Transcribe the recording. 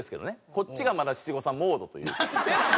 こっちがまだ七五三モードというか。